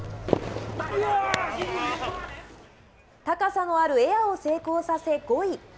高さのあるエアを成功させ５位。